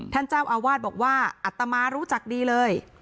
ท่านเจ้าอาวาสบอกว่าอัตมารู้จักดีเลย